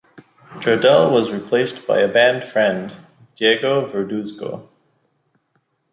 Jardel was replaced by band friend Diego Verduzco.